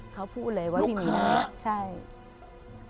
เขาพูดเลยว่าพี่หมีนั่งอยู่